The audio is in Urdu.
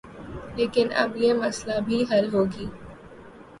لیکن اب یہ مسئلہ بھی حل ہوگی